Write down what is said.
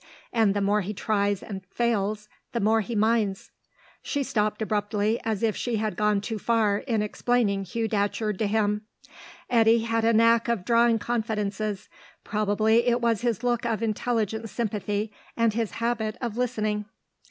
And the more he tries and fails, the more he minds." She stopped abruptly, as if she had gone too far in explaining Hugh Datcherd to him. Eddy had a knack of drawing confidences; probably it was his look of intelligent sympathy and his habit of listening.